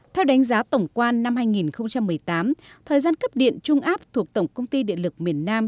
theo đánh giá tổng quan năm hai nghìn một mươi tám thời gian cấp điện trung áp thuộc tổng công ty điện lực miền nam